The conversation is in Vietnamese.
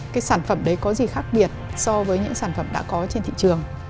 cái sản phẩm đấy có gì khác biệt so với những sản phẩm đã có trên thị trường